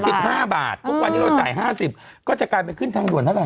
สิบห้าบาททุกวันนี้เราจ่ายห้าสิบก็จะกลายเป็นขึ้นทางด่วนเท่าไห